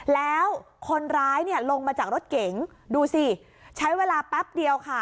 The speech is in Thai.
แล้วคนร้ายเนี่ยลงมาจากรถเก๋งดูสิใช้เวลาแป๊บเดียวค่ะ